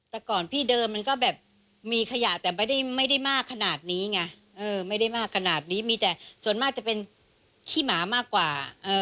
แต่ก่อนพี่เดิมมันก็แบบมีขยะแต่ไม่ได้มากขนาดนี้ไงไม่ได้มากขนาดนี้มีแต่ส่วนมากจะเป็นขี้หมามากกว่า